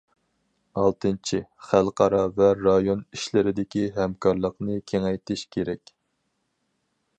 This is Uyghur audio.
ئالتىنچى، خەلقئارا ۋە رايون ئىشلىرىدىكى ھەمكارلىقنى كېڭەيتىشى كېرەك.